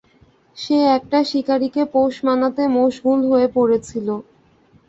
সে একটা শিকারীকে পোষ মানাতে মশগুল হয়ে পড়েছিল।